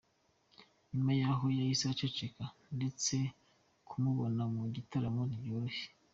Nyuma y’aho yahise aceceka ndetse kumubona mu gitaramo ntibyoroshye.